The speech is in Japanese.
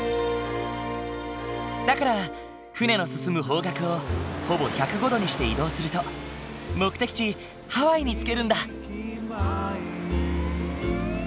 だから船の進む方角をほぼ１０５度にして移動すると目的地ハワイに着けるんだ。